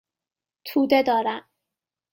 توده دارم.